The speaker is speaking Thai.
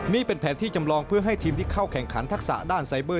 นี่เป็นแผนที่จำลองเพื่อให้ทีมที่เข้าแข่งขันทักษะด้านไซเบอร์